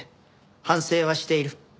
反省はしている。